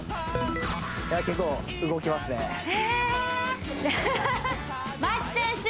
結構動きますね牧選手